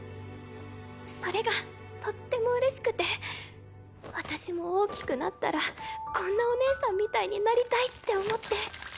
それがとってもうれしくて私も大きくなったらこんなおねえさんみたいになりたいって思って。